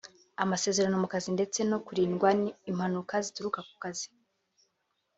amasezerano mu kazi ndetse no kurindwa impanuka zituruka mu kazi